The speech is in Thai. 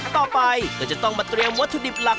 ต่อไปก็จะต้องมาเตรียมวัตถุดิบหลัก